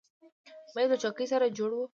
مېز له چوکۍ سره جوړه ده.